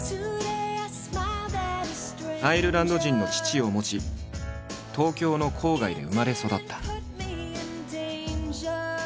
アイルランド人の父を持ち東京の郊外で生まれ育った。